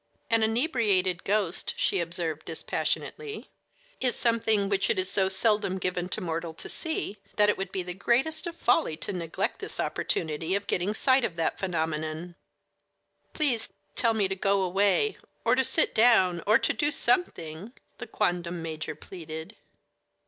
"An inebriated ghost," she observed dispassionately, "is something which it is so seldom given to mortal to see that it would be the greatest of folly to neglect this opportunity of getting sight of that phenomenon." "Please tell me to go away, or to sit down, or to do something," the quondam major pleaded.